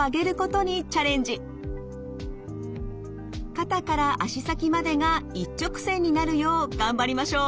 肩から足先までが一直線になるよう頑張りましょう。